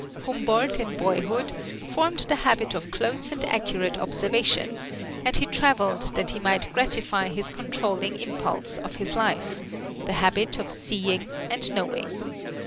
Humboldt in boyhood formed the habit of close and accurate observation, and he traveled that he might gratify this controlling impulse of his life the habit of seeing and knowing.